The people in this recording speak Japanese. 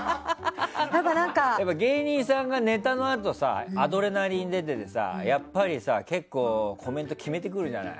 芸人さんがネタのあとアドレナリンが出ていてやっぱり結構コメント決めてくるじゃない。